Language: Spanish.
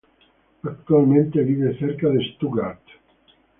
Actualmente vive cerca de Stuttgart.